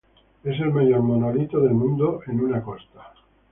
Es el mayor monolito del mundo, en una costa.